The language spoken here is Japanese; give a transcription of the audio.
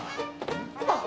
あっ！